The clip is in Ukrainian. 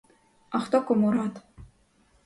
А хто кому рад?